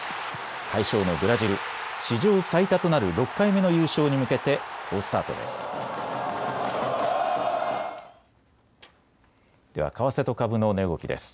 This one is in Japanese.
快勝のブラジル、史上最多となる６回目の優勝に向けて好スタートです。